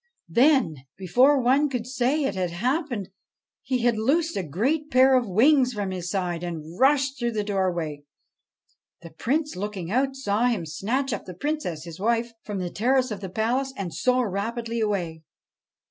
Then, before one could say it had happened, he had loosed a great pair of wings from his sides, and rushed through the doorway. The Prince, looking out, saw him snatch up the Princess, his wife, from the terrace of the Palace, and soar rapidly away.